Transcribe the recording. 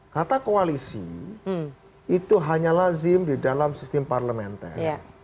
kata koalisi itu hanya lazim di dalam sistem parlementer